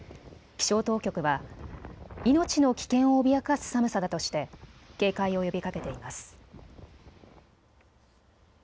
気象当局は命の危険を脅かす寒さだとして警戒を呼びかけています。